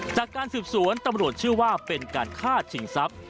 จากการสืบสวนตำรวจเชื่อว่าเป็นการฆ่าชิงทรัพย์